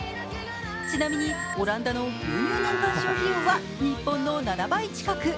ちなみにオランダの牛乳年間消費量は日本の７倍近く。